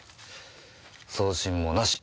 送信もなし。